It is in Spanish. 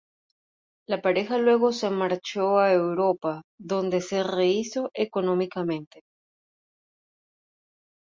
La pareja luego se marchó a Europa, donde se rehízo económicamente.